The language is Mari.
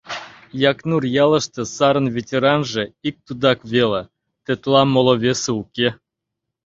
Якнур ялыште сарын ветеранже ик тудак веле, тетла моло весе уке.